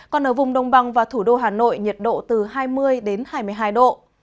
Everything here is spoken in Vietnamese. còn ở vùng đông bằng và thủ đô hà nội nhiệt độ từ hai mươi đến hai mươi hai độ